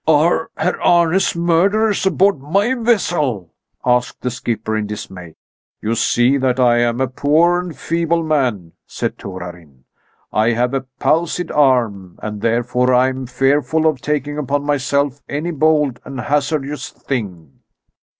"Are Herr Arne's murderers aboard my vessel?" asked the skipper in dismay. "You see that I am a poor and feeble man," said Torarin. "I have a palsied arm, and therefore I am fearful of taking upon myself any bold and hazardous thing.